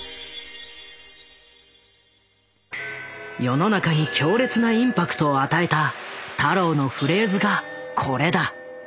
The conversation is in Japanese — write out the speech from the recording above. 世の中に強烈なインパクトを与えた太郎のフレーズがこれだ。